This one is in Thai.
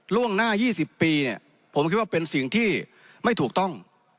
ล่วงหน้า๒๐ปีเนี่ยผมคิดว่าเป็นสิ่งที่ไม่ถูกต้อง